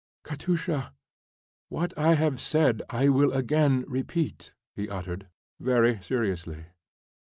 "Katusha, what I have said I will again repeat," he uttered, very seriously.